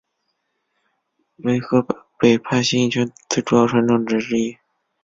为河北派形意拳最主要的传承者之一。